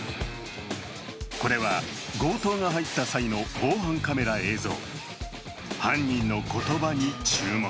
これは強盗が入った際の防犯カメラ映像。